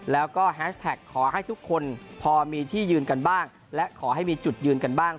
แล้วก็แฮชแท็กขอให้ทุกคนพอมีที่ยืนกันบ้างและขอให้มีจุดยืนกันบ้าง